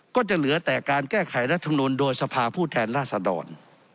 ก็จะเหลือแต่การแก้ไขรัฐมนุนโดยสภาผู้แทนราษดร